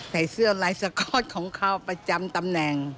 ใส่เสื้อลายสก๊อตของเขาประจำตำแหน่ง